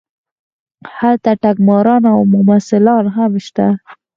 هلته ټګماران او ممثلان هم شته.